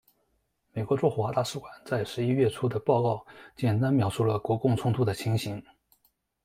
美国驻华大使馆在十一月初的报告简单描述了国共冲突的情形。